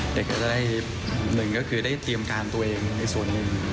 แต่ก็จะได้หนึ่งก็คือได้เตรียมการตัวเองในส่วนหนึ่ง